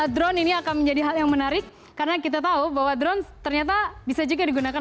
drone ini akan menjadi hal yang menarik karena kita tahu bahwa drone ternyata bisa juga digunakan